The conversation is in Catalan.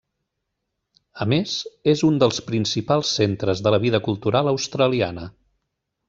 A més, és un dels principals centres de la vida cultural australiana.